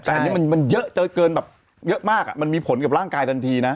แต่อันนี้มันเยอะเจอเกินแบบเยอะมากมันมีผลกับร่างกายทันทีนะ